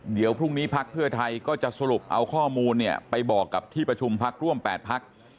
เดี๋ยวพรุ่งนี้พักเพื่อไทยก็จะสรุปเอาข้อมูลเนี่ยไปบอกกับที่ประชุมพักร่วม๘พัก